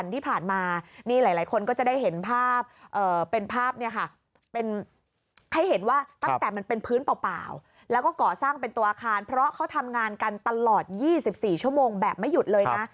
ตลอด๒๔ชั่วโมงแบบไม่หยุดเลยนะ